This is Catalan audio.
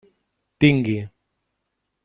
Tingui.